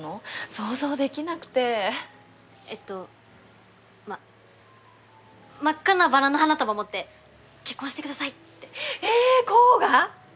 想像できなくてえっとまっ真っ赤なバラの花束持って「結婚してください！」ってへぇ煌が？